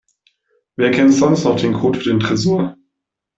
Wer kennt sonst noch den Code für den Tresor?